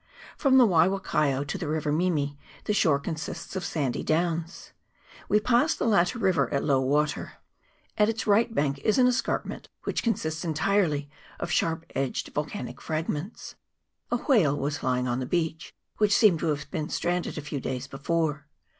From the Waiwakaio to the river Mimi the shore consists of sandy downs. We passed the latter river at low water. At its right bank is an escarpment, which consists entirely of sharp edged volcanic fragments. A whale was lying on the beach, which seemed to have been stranded a few days before.